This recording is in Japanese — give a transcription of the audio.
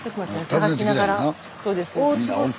探しながらそうですそうです。